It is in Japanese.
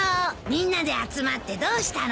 みんなで集まってどうしたの？